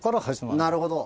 なるほど。